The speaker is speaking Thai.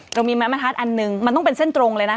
เรามีแม้มะทัศน์อันนึงมันต้องเป็นเส้นตรงเลยนะ